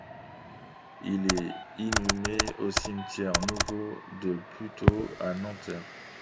Il est inhumé au Cimetière Nouveau de Puteaux à Nanterre.